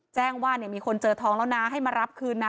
แจ้งว่ามีคนเจอทองแล้วนะให้มารับคืนนะ